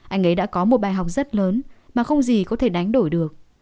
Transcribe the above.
anh ấy đã có một bài học rất lớn mà không gì có thể đánh đổi được